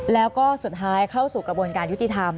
แล้วก็สุดท้ายเข้าสู่กระบวนการยุติธรรม